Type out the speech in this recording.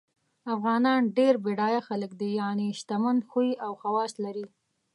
افغانان ډېر بډایه خلګ دي یعنی شتمن خوی او خواص لري